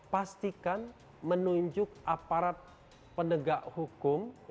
pastikan menunjuk aparat penegak hukum